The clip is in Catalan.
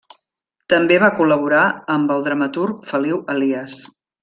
També va col·laborar amb el dramaturg Feliu Elies.